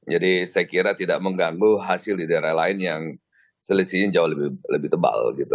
jadi saya kira tidak mengganggu hasil di daerah lain yang selisihnya jauh lebih tebal gitu